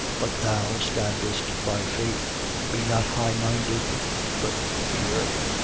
But thou standest by faith. Be not highminded, but fear.